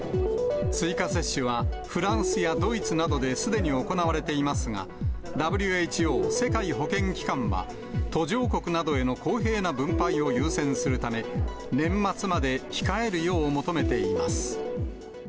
追加接種は、フランスやドイツなどですでに行われていますが、ＷＨＯ・世界保健機関は、途上国などへの公平な分配を優先するため、年末まで控えるよう求めています。